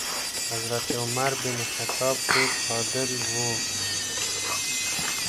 حضرت عمر بن خطاب ډېر عادل و.